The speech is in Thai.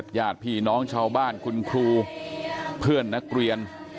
ญาติพี่น้องชาวบ้านคุณครูเพื่อนนักเรียน